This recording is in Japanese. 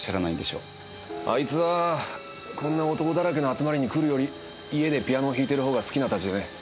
あいつはこんな男だらけの集まりに来るより家でピアノを弾いてる方が好きなたちでね。